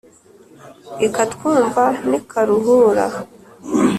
ikatwumva n'i karuhura.